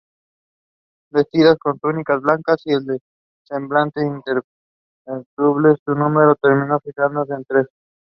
Vestidas con túnicas blancas y de semblante imperturbable, su número terminó fijándose en tres.